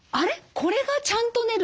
これがちゃんと寝る？